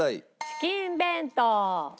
チキン弁当。